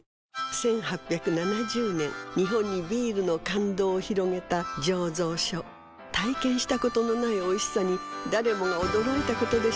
１８７０年日本にビールの感動を広げた醸造所体験したことのないおいしさに誰もが驚いたことでしょう